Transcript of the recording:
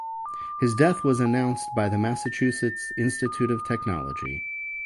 His death was announced by the Massachusetts Institute of Technology.